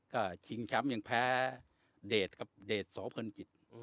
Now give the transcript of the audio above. ครับก็ชิงแชมป์ยังแพ้เดทครับเดทโสเผินจิตอืม